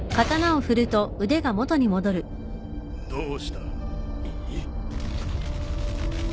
どうした？